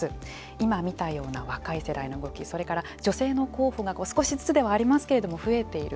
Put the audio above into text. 今見たような若い世代の動きそれから女性の候補が少しずつではありますけれども増えている。